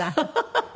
ハハハハ。